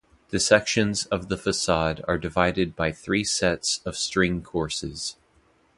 The sections of the facade are divided by three sets of string courses.